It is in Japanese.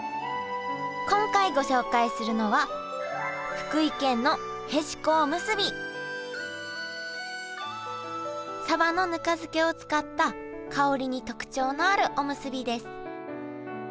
今回ご紹介するのはサバのぬか漬けを使った香りに特徴のあるおむすびです。